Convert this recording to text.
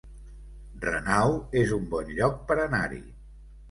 Renau es un bon lloc per anar-hi